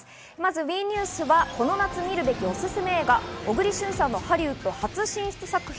ＷＥニュースはこの夏見るべきおすすめ映画、小栗旬さんのハリウッド初進出作品。